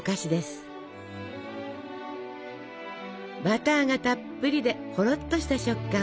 バターがたっぷりでほろっとした食感。